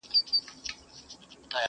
o چي شلومبې دي خوښي دي، ځان ته غوا واخله٫